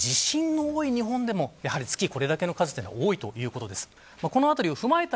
地震の多い日本でも月にこれだけの数は多いということです。